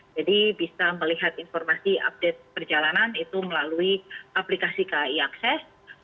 jadi bisa melihat informasi update perjalanan itu melalui aplikasi kai akses